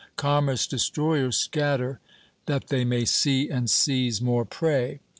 Commerce destroyers scatter, that they may see and seize more prey.